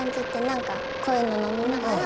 なんかこういうの飲みながら。